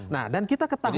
nah dan kita ketahui